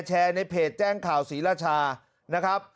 ในเพจแจ้งข่าวศรีราชานะครับ